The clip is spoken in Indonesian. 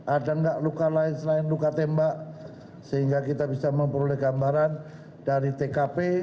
ada nggak luka lain selain luka tembak sehingga kita bisa memperoleh gambaran dari tkp